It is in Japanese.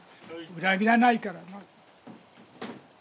裏切らないからな。